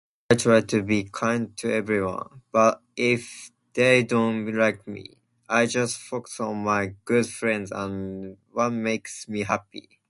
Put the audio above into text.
I try to be kind to everyone. But if they don't like me, I just focus on my good friends and what makes me happy.